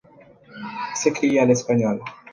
s’écria l’Espagnol.